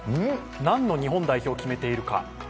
何の日本代表を決めているか。